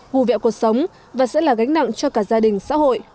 hù vẹo cuộc sống và sẽ là gánh nặng cho cả gia đình xã hội